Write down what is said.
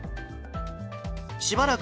しばらく